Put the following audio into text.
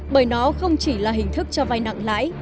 bởi nó không chỉ là hình thức cho vay nặng lãi